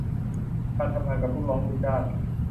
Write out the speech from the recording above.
การทำงานกับลูกน้องลูกจ้าง